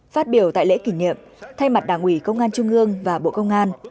phát biểu tại lễ kỷ niệm thay mặt đảng ủy công an trung ương và bộ công an